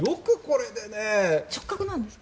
直角なんですか？